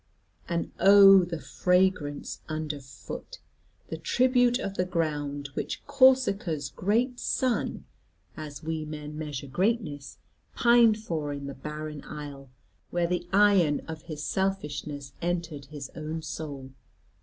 And oh, the fragrance under foot, the tribute of the ground, which Corsica's great son as we men measure greatness pined for in the barren isle, where the iron of his selfishness entered his own soul.